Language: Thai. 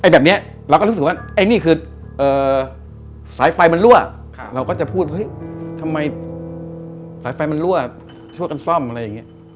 แบบนี้เราก็รู้สึกว่าไอ้นี่คือสายไฟมันรั่วเราก็จะพูดเฮ้ยทำไมสายไฟมันรั่วช่วยกันซ่อมอะไรอย่างนี้